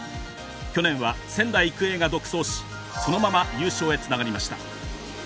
去年は仙台育英が独走しそのまま優勝へつながりました。